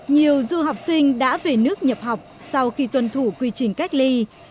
nhiều du học sinh đã về nước nhập học sau khi tuân thủ quy trình cách ly